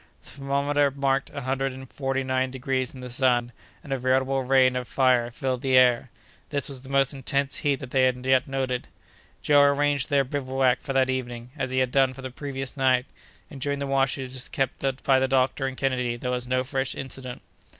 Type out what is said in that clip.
The thermometer marked a hundred and forty nine degrees in the sun, and a veritable rain of fire filled the air. This was the most intense heat that they had yet noted. Joe arranged their bivouac for that evening, as he had done for the previous night; and during the watches kept by the doctor and Kennedy there was no fresh incident.